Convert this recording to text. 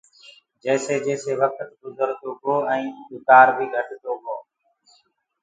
جيسي جيسي وڪت گُجردو گو اور ڏُڪآر بيٚ گهٽ هوُرو۔